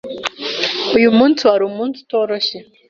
Uyu munsi wari umunsi utoroshye.